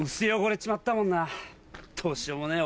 どうしようもねえよ